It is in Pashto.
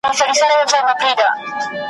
بې نوبتي کوه مُغانه پر ما ښه لګیږي `